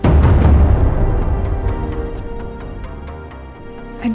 aduh gimana ini